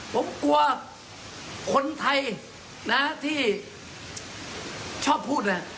ผมกลัวคนไทยที่ชอบพูดนะครับ